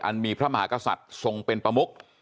มีพระมหากษัตริย์ทรงเป็นประมุก